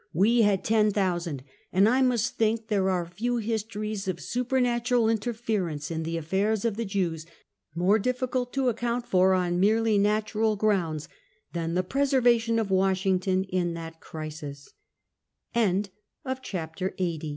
We had ten thousand; and I must think there are few histories of supernatural interference in the afiairs of the Jews more difficult to account for, on merely natural grounds, than the preservation of Washington in that cris